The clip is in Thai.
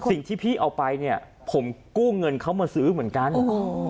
สิ่งที่พี่เอาไปเนี่ยผมกู้เงินเขามาซื้อเหมือนกัน